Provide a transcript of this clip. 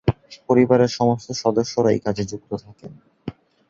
পরিবারের সমস্ত সদস্যরা এই কাজে যুক্ত থাকেন।